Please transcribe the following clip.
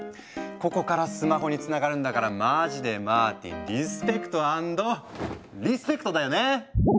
ここからスマホにつながるんだからまじでマーティンリスペクト・アンドリスペクトだよね。